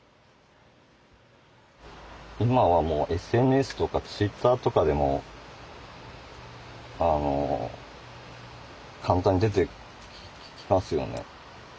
今はもうＳＮＳとかＴｗｉｔｔｅｒとかでも簡単に出てきますよね。